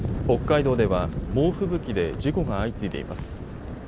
北海道では猛吹雪で事故が相次いでいます。